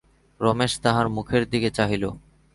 রমেশ তাহার মুখের দিকে চাহিল।